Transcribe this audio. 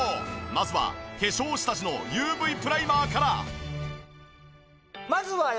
まずは化粧下地のＵＶプライマーから。